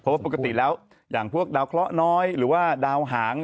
เพราะว่าปกติแล้วอย่างพวกดาวเคราะห์น้อยหรือว่าดาวหาง